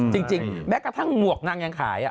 จริงแม้กระทั่งหมวกนางยังขาย